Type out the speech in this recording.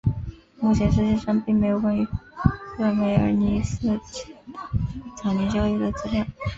目前世界上并没有关于赫梅尔尼茨基的早年教育的资料。